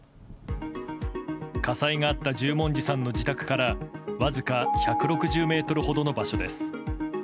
火災があった十文字さんの自宅からわずか１６０ｍほどの場所です。